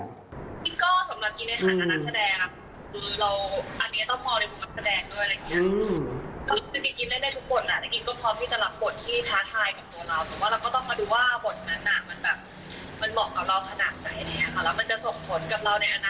กรีนก็สำหรับกรีนในฐานะนักแสดงครับคือเราอันนี้ต้องมองในฐานะแสดงด้วยอะไรอย่างนี้